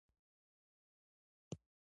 افغانستان د غوښې د تولید یو ښه کوربه دی.